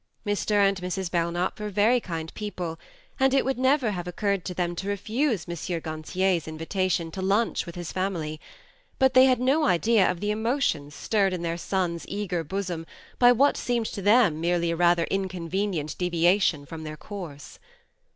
Mr. and Mrs. Belknap were very kind people, and it would never have occurred to them to refuse M. Gantier's invitation to lunch with his family ; but they had no idea of the emotions stirred in their son's eager bosom by what seemed to them merely a rather inconvenient deviation from their course.